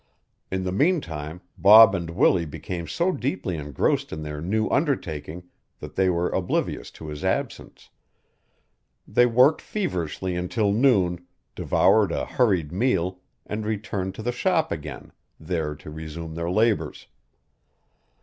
In the meantime Bob and Willie became so deeply engrossed in their new undertaking that they were oblivious to his absence. They worked feverishly until noon, devoured a hurried meal, and returned to the shop again, there to resume their labors.